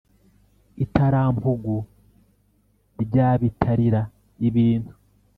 itarampugu rya bitarira ibintu